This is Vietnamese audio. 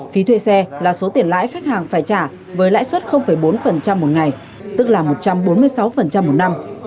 phí thuê xe là số tiền lãi khách hàng phải trả với lãi suất bốn một ngày tức là một trăm bốn mươi sáu một năm